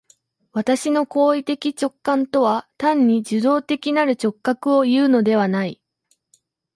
私の行為的直観とは単に受働的なる直覚をいうのではない。